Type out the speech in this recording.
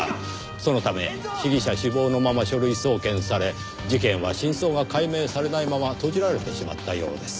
そのため被疑者死亡のまま書類送検され事件は真相が解明されないまま閉じられてしまったようです。